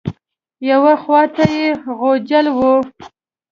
یوې خوا ته یې غوجل وه.